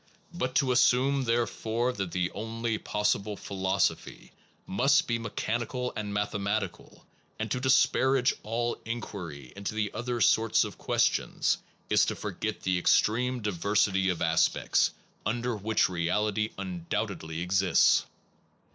But to assume therefore, that the only possible philosophy must be mechanical and mathematical, and to dispar age all enquiry into the other sorts of question, is to forget the extreme diversity of aspects 23 SOME PROBLEMS OF PHILOSOPHY under which reality undoubtedly exists.